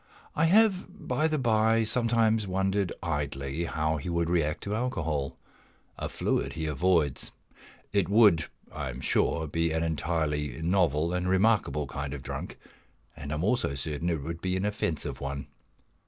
I have, by the bye, sometimes wondered idly how he would react to alcohol a fluid he avoids. It would, I am sure, be an entirely novel and remarkable kind of Drunk, and I am also certain it would be an offensive one.